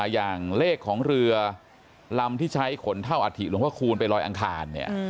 อย่างเลขของเรือลำที่ใช้ขนเท่าอัฐิหลวงพระคูณไปลอยอังคาร